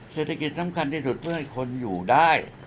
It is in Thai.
เศรษฐกิจสำคัญที่สุดเพื่อให้คนอยู่ได้